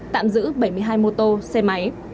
tạm giữ bảy mươi hai mô tô xe máy